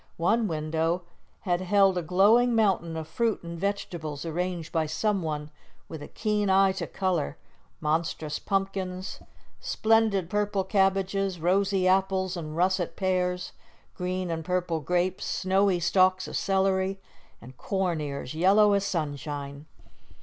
One window had held a glowing mountain of fruit and vegetables arranged by someone with a keen eye to colour monstrous pumpkins, splendid purple cabbages, rosy apples and russet pears, green and purple grapes, snowy stalks of celery, and corn ears yellow as sunshine.